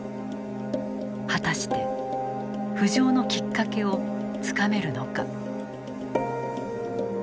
果たして浮上のきっかけをつかめるのか。